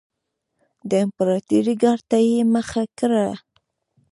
د امپراتورۍ ګارډ ته یې مخه کړه